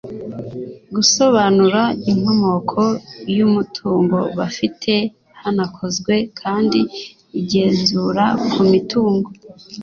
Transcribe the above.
gusobanura inkomoko y umutungo bafite Hanakozwe kandi igenzura ku mitungo